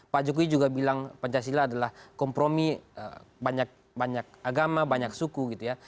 pak jokowi juga bilang pancasila adalah kompromi banyak banyak agama banyak suku gitu ya